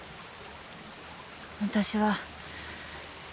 私は。